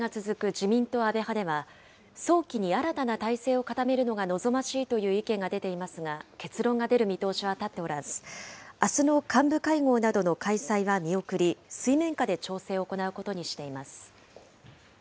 自民党安倍派では、早期に新たな体制を固めるのが望ましいという意見が出ていますが、結論が出る見通しは立っておらず、あすの幹部会合などの開催は見送り、水面下で調整を行うことにしています。